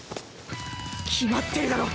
決まってるだろ！